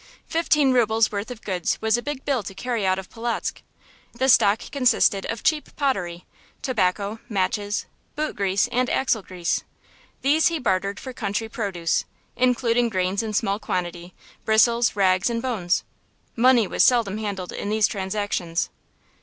Fifteen rubles' worth of goods was a big bill to carry out of Polotzk. The stock consisted of cheap pottery, tobacco, matches, boot grease, and axle grease. These he bartered for country produce, including grains in small quantity, bristles, rags, and bones. Money was seldom handled in these transactions.